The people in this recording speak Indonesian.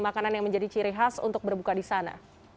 makanan yang menjadi ciri khas untuk berbuka di sana